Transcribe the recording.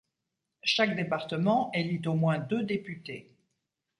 Chaque département élit au moins deux députés.